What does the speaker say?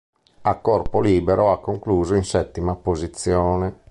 Al corpo libero ha concluso in settima posizione.